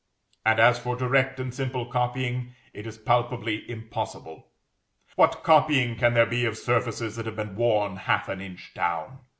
And as for direct and simple copying, it is palpably impossible. What copying can there be of surfaces that have been worn half an inch down?